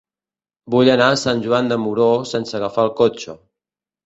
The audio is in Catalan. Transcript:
Vull anar a Sant Joan de Moró sense agafar el cotxe.